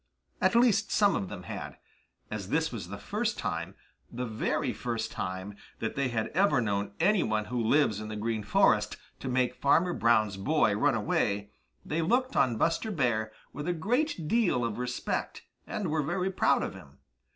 At least some of them had. As this was the first time, the very first time, that they had ever known any one who lives in the Green Forest to make Farmer Brown's boy run away, they looked on Buster Bear with a great deal of respect and were very proud of him.